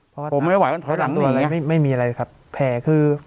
เพราะว่าผมไม่ไหวก็ถอยหลังหนีไม่มีอะไรครับแผ่คือ